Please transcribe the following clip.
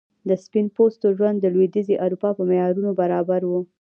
د سپین پوستو ژوند د لوېدیځي اروپا په معیارونو برابر و.